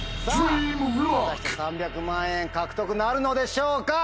３００万円獲得なるのでしょうか？